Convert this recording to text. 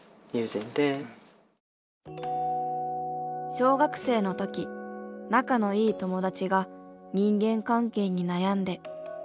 小学生の時仲のいい友達が人間関係に悩んで不登校になった。